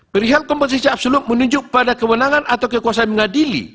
perihal kompetisi absoluk menunjuk pada kewenangan atau kekuasaan mengadili